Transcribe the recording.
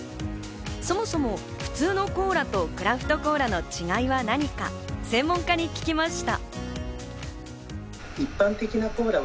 そもそも普通のコーラとクラフトコーラの違いは何か、専門家に聞きました。